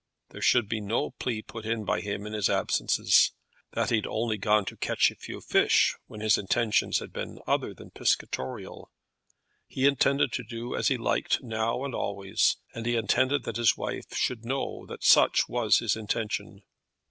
There should be no plea put in by him in his absences, that he had only gone to catch a few fish, when his intentions had been other than piscatorial. He intended to do as he liked now and always, and he intended that his wife should know that such was his intention.